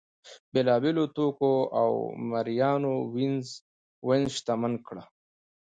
بېلابېلو توکو او مریانو وینز شتمن کړ.